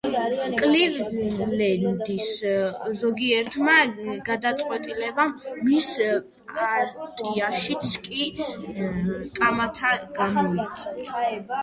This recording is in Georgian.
კლივლენდის ზოგიერთმა გადაწყვეტილებამ მის პარტიაშიც კი კამათი გამოიწვია.